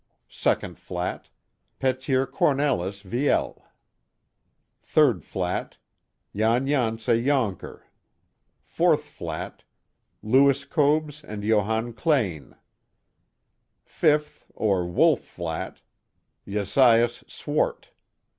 Second flat: Petier Cornells Viele. Third flat: Jan Janse Joncker. Fourth flat : Lewis Cobes and Johannes Kleyn. Fifth, or Wolfe Flat: Jasaias Swart.